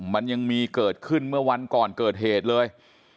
มันยังมีเกิดขึ้นเมื่อวันก่อนเกิดเหตุเลย